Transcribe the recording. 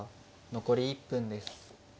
残り１分です。